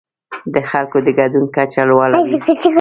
د خلکو د ګډون کچه لوړه وي.